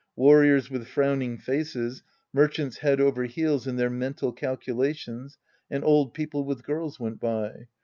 Warriors with frowning faces, mer chants head over heels in their mental calculations, and old people with girls went by.